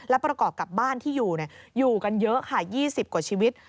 และประกอบกับบ้านที่อยู่อยู่กันเยอะค่ะ๒๐กว่าชีวิต